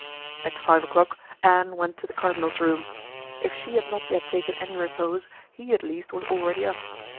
At five o'clock Anne went to the cardinal's room. If she had not yet taken any repose, he at least was already up.